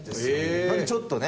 なのでちょっとね